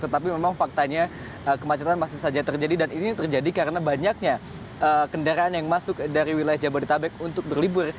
tetapi memang faktanya kemacetan masih saja terjadi dan ini terjadi karena banyaknya kendaraan yang masuk dari wilayah jabodetabek untuk berlibur